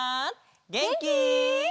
げんき？